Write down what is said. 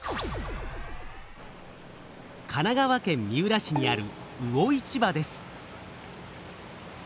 神奈川県三浦市にある魚市場です。